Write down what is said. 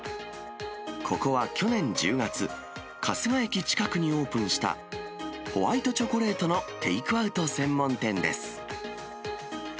ここは去年１０月、春日駅近くにオープンした、ホワイトチョコレートのテイクアウト専門店です。